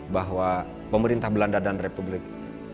bahwa pemerintahan indonesia